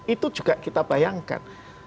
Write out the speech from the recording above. itu juga kita bayangkan